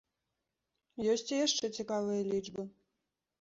Ёсць і яшчэ цікавыя лічбы.